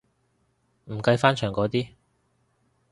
唔計翻牆嗰啲